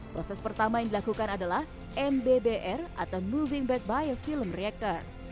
proses pertama yang dilakukan adalah mbbr atau moving back biofilm rector